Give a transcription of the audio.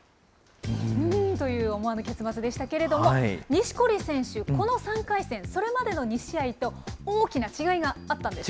という思わぬ結末でしたけれども、錦織選手、この３回戦、それまでの２試合と大きな違いがあったんです。